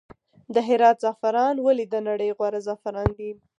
د هرات زعفران ولې د نړۍ غوره زعفران دي؟